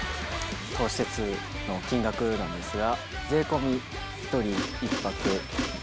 この施設の金額なんですが。